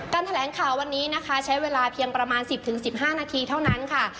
แถลงข่าววันนี้นะคะใช้เวลาเพียงประมาณ๑๐๑๕นาทีเท่านั้นค่ะ